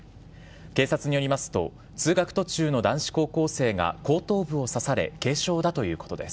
警察によりますと、通学途中の男子高校生が後頭部を刺され、軽傷だということです。